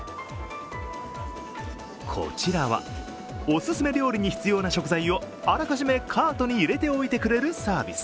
こちらは、おすすめ料理に必要な食材をあらかじめカートに入れておいてくれるサービス。